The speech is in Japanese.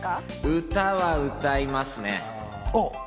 歌は歌いますね。